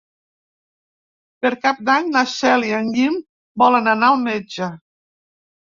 Per Cap d'Any na Cel i en Guim volen anar al metge.